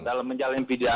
dalam menjalani pidana